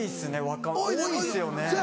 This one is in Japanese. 若者多いですよね。